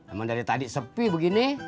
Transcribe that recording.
emang dari tadi sepi begini